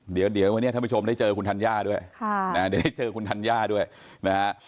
เดี๋ยววันนี้ท่านผู้ชมได้เจอคุณธัญญาด้วยเดี๋ยวได้เจอคุณธัญญาด้วยนะฮะ